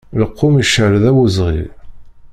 Lqum iceṛṛeḍ awezɣi.